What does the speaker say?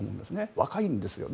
若いんですよね。